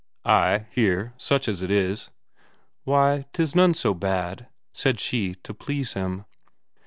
"Ay, here, such as it is." "Why, 'tis none so bad," said she to please him.